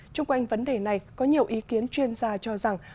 trung quanh vấn đề này có nhiều ý kiến chuyên gia cho rằng